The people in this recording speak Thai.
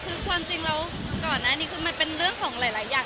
คือก่อนนะคือมันเป็นเรื่องมาจากหลายอย่าง